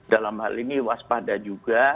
dalam hal ini waspada juga